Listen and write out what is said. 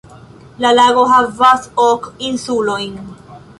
La lago havas ok insulojn.